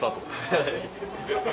はい。